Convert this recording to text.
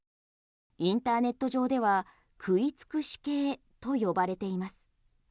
インターネット上では食い尽くし系と呼ばれています。